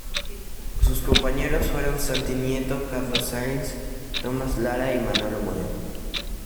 Sus compañeros fueron Santi Nieto, Carlos Sainz, Tomás Lara y Manolo Moreno.